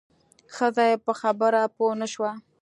ښځه یې په خبره پوه نه شوه.